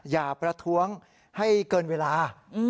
อย่าประท้วงให้เกินเวลา